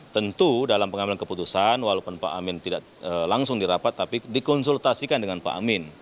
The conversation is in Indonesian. tentu dalam pengambilan keputusan walaupun pak amin tidak langsung dirapat tapi dikonsultasikan dengan pak amin